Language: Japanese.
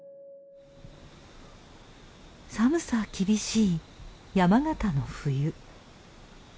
寒さ厳しい山形の冬。